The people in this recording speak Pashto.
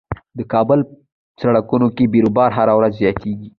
د کابل سړکونو کې بیروبار هر ورځ زياتيږي.